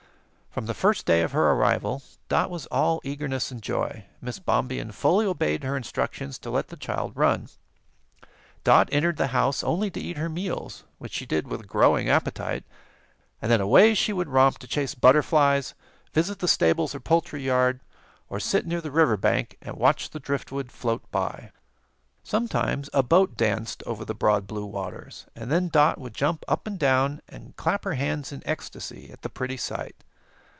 From the first day of her arrival, Dot was all eagerness and joy. Miss Bombien fully obeyed her instructions to let the child run. Dot entered the house only to eat her meals, which she did with growing appetite, and then away she would romp to chase butterflies, visit the stables or poultry yard, or sit near the river bank and watch the driftwood float by. Sometimes a boat danced over the broad, blue waters, and then Dot would jump up and down and clap her hands in ecstasy at the pretty sight.